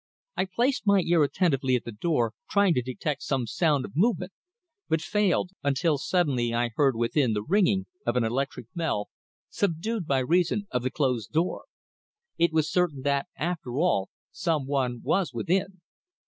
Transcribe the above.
I placed my ear attentively at the door, trying to detect some sound of movement, but failed, until suddenly I heard within the ringing of an electric bell, subdued by reason of the closed door. It was certain that, after all, some one was within."